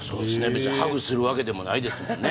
別にハグするわけでもないですもんね